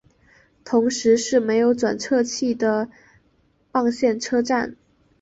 同时是没有转辙器的棒线车站。